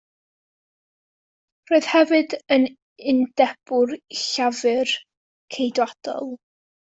Roedd hefyd yn undebwr llafur ceidwadol.